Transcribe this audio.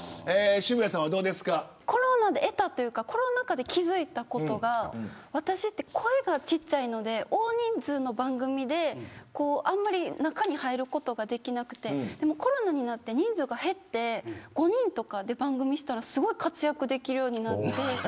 コロナで得たというかコロナ禍で気付いたことが私って声がちっちゃいので大人数の番組であんまり中に入ることができなくてでも、コロナになって人数が減って５人とかで番組したらすごい活躍できるようになって。